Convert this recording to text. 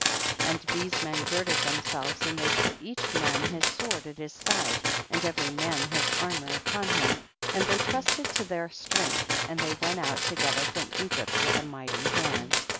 3. And these men girded them selves, and they put each man his sword at his side, and every man his armour upon him, and they trusted to their strength, and they went out together from Egypt with a mighty hand.